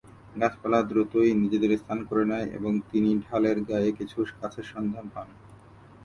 গাছপালা দ্রুতই নিজেদের স্থান করে নেয় এবং তিনি ঢালের গায়ে কিছু গাছের সন্ধান পান।